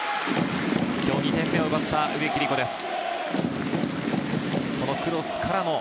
今日２点目を奪った植木理子です。